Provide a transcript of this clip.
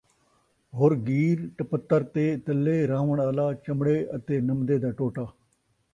حُرگِیر، ٹپتر دے تَلّے رَہوݨ آلا چَمڑے اَتے نمدے دا ٹوٹا